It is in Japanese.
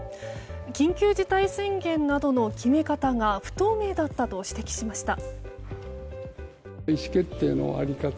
緊急事態宣言などの決め方が不透明だったと指摘しました。